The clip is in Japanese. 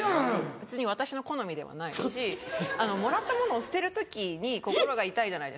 別に私の好みではないしもらったものを捨てる時に心が痛いじゃないですか。